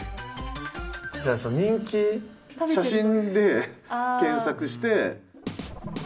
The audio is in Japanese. じゃあさ人気写真で検索して。